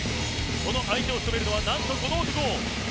その相手を務めるのは何とこの男。